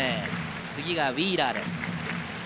次がウィーラーです。